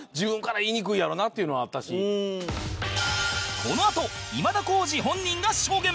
なかなかこのあと今田耕司本人が証言